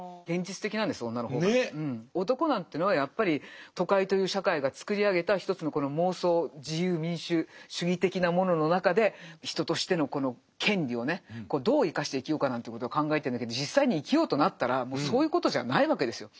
男なんていうのはやっぱり都会という社会が作り上げた一つのこの妄想自由民主主義的なものの中でなんていうことを考えてるんだけど実際に生きようとなったらもうそういうことじゃないわけですよ。